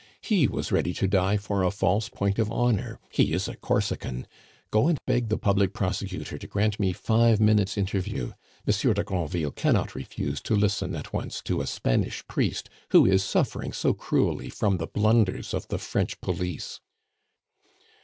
He was ready to die for a false point of honor he is a Corsican! Go and beg the public prosecutor to grant me five minutes' interview. Monsieur de Granville cannot refuse to listen at once to a Spanish priest who is suffering so cruelly from the blunders of the French police."